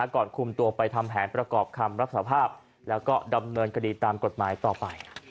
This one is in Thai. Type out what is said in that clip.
ก่อนคุมตัวไปทำแผนประกอบคำรับสภาพแล้วก็ดำเนินคดีตามกฎหมายต่อไป